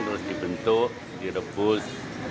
terus dibentuk direbus